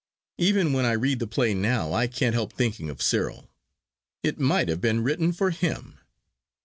Even when I read the play now I can't help thinking of Cyril. It might have been written for him.